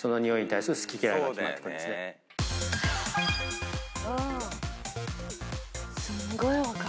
すんごい分かる。